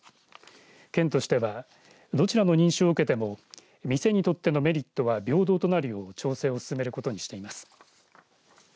県としてはどちらの認証を受けても店にとってのメリットは平等となるよう調査を進めることにしています。